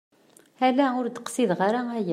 Ala ur d-qsideɣ ara aya!